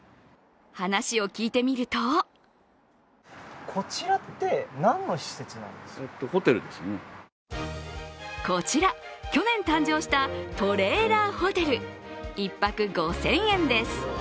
話を聞いてみるとこちら、去年誕生したトレーラーホテル、１泊５０００円です。